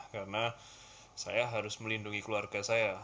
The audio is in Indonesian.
karena saya harus melindungi keluarga saya